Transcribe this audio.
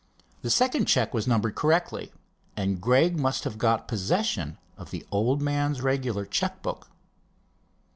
The second check was numbered correctly, and Gregg must have got possession of the old man's regular check book."